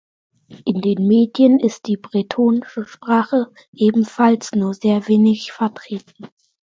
In den Medien ist die bretonische Sprache ebenfalls nur sehr wenig vertreten.